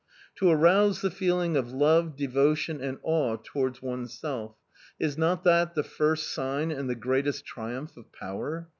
To arouse the feeling of love, devotion and awe towards oneself is not that the first sign, and the greatest triumph, of power?